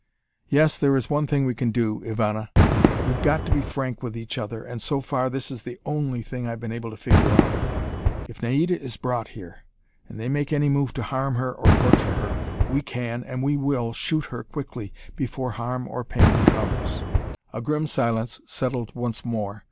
"Yes, there is one thing we can do, Ivana. We've got to be frank with each other, and so far, this is the only thing I've been able to figure out. If Naida is brought here, and they make any move to harm her or torture her, we can, and we will, shoot her quickly, before harm or pain comes." A grim silence settled once more.